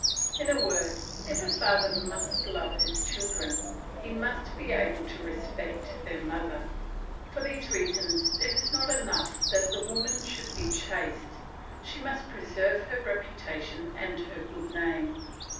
In a word, if a father must love his children, he must be able to respect their mother. For these reasons it is not enough that the woman should be chaste, she must preserve her reputation and her good name.